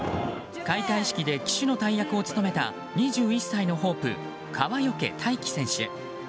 開会式で旗手の大役を務めた２１歳のホープ、川除大輝選手。